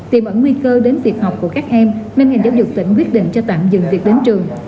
tìm ẩn nguy cơ đến việc học của các em nên ngành giáo dục tỉnh quyết định cho tạm dừng việc đến trường